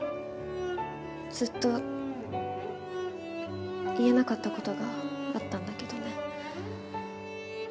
ずっと言えなかったことがあったんだけどね。